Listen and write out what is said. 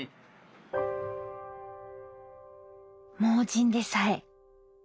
盲人でさえ。